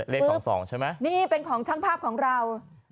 เลข๒๒ใช่ไหมนี่เป็นของช่างภาพของเรา